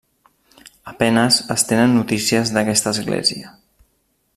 A penes es tenen notícies d'aquesta església.